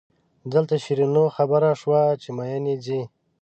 دلته شیرینو خبره شوه چې مئین یې ځي.